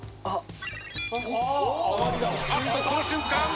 あっとこの瞬間。